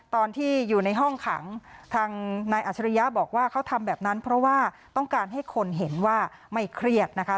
ตอนที่อยู่ในห้องขังทางนายอัชริยะบอกว่าเขาทำแบบนั้นเพราะว่าต้องการให้คนเห็นว่าไม่เครียดนะคะ